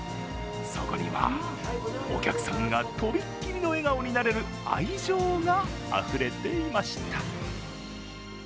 そこには、お客さんがとびっきりの笑顔になれる愛情があふれていました。